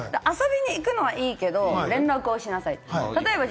遊びに行くのはいいけれども連絡をしなさい。